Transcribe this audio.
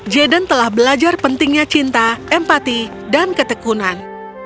jaden telah belajar pentingnya cinta empati dan ketekunan